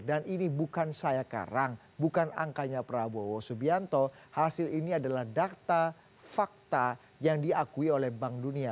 dan ini bukan saya karang bukan angkanya prabowo subianto hasil ini adalah data fakta yang diakui oleh bank dunia